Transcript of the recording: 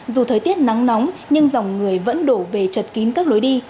dù thời tiết nắng nóng nhưng dòng người vẫn đổ về chật kín các lối đi